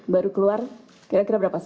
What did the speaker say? baru keluar kira kira berapa